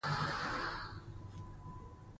د ملالۍ اتلولي ومنه.